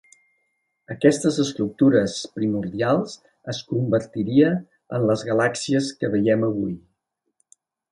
Aquestes estructures primordials es convertiria en les galàxies que veiem avui.